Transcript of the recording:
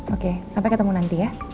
oke sampai ketemu nanti ya